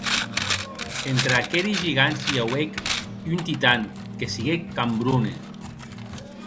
Entre aqueri gigants i auec un titan, que siguec Cambronne.